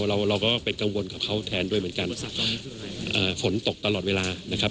เราเราก็เป็นกังวลกับเขาแทนด้วยเหมือนกันฝนตกตลอดเวลานะครับ